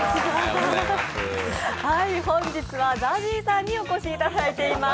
本日はＺＡＺＹさんにお越しいただいております。